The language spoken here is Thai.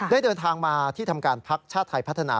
เดินทางมาที่ทำการพักชาติไทยพัฒนา